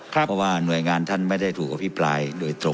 เพราะว่าหน่วยงานท่านไม่ได้ถูกอภิปรายโดยตรง